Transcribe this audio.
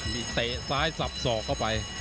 มีเตะซ้ายสับสอกเข้าไป